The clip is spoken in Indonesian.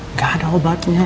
enggak ada obatnya